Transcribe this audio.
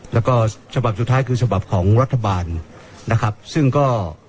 แล้วก็ฉบับสุดท้ายคือฉบับของรัฐบาลนะครับซึ่งก็